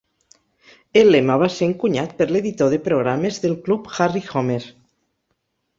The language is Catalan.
El lema va ser encunyat per l'editor de programes del club Harry Homer.